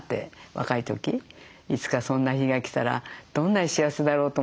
若い時いつかそんな日が来たらどんなに幸せだろうと思って。